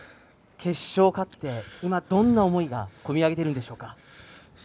決勝、勝って今、どんな思いが込み上げているんでしょうか。